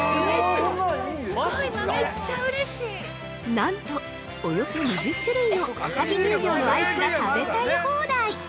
なんと、およそ２０種類の赤城乳業のアイスが食べたい放題！